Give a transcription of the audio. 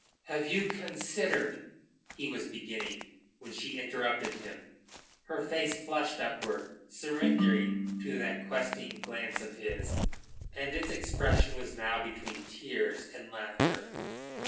"Have you considered " he was beginning, when she interrupted him. Her face flushed upward, surrendering to that questing glance of his, and its expression was now between tears and laughter.